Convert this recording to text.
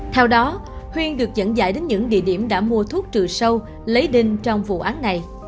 theo đó huyên được dẫn dải đến những địa điểm đã mua thuốc trừ sâu lấy đinh trong vụ án này